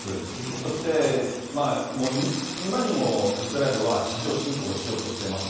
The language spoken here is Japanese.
そして今にもイスラエルは地上侵攻しようとしています。